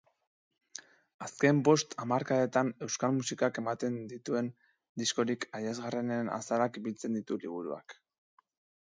Azken bost hamarkadetan euskal musikak eman dituen diskorik adierazgarrienen azalak biltzen ditu liburuak.